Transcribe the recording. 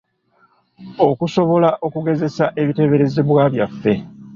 Okusobola okugezesa ebiteeberezebwa byaffe.